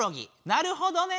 なるほどね。